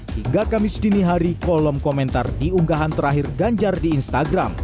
hingga kamis dini hari kolom komentar diunggahan terakhir ganjar di instagram